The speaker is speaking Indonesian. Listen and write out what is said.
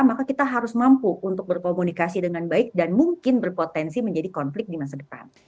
maka kita harus mampu untuk berkomunikasi dengan baik dan mungkin berpotensi menjadi konflik di masa depan